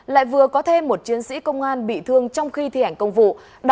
lại vừa có thêm một chiến sĩ công an bị thương trong khi thi hành công vụ